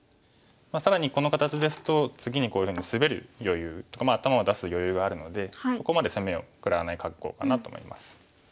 更にこの形ですと次にこういうふうにスベる余裕とか頭を出す余裕があるのでそこまで攻めを食らわない格好かなと思います。